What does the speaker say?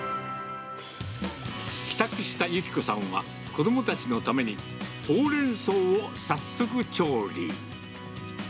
帰宅した由希子さんは、子どもたちのためにほうれん草を早速調理。